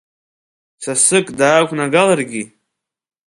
Сасык даақәнагаларгьы…